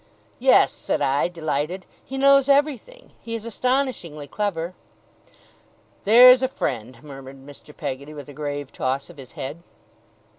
'Yes,' said I, delighted; 'he knows everything. He is astonishingly clever.' 'There's a friend!' murmured Mr. Peggotty, with a grave toss of his head.